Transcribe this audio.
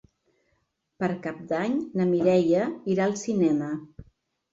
Per Cap d'Any na Mireia irà al cinema.